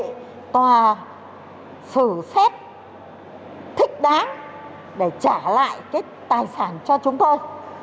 thì chúng tôi phải phử phép thích đáng để trả lại cái tài sản cho chúng tôi